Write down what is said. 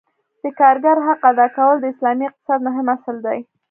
د کارګر حق ادا کول د اسلامي اقتصاد مهم اصل دی.